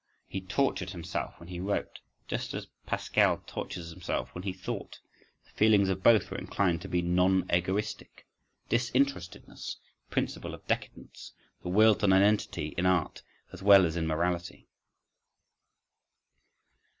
… He tortured himself when he wrote, just as Pascal tortured himself when he thought—the feelings of both were inclined to be "non egoistic." … "Disinterestedness"—principle of decadence, the will to nonentity in art as well as in morality.